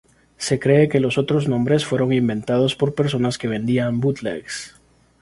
Se cree que los otros nombres fueron inventados por personas que vendían "bootlegs".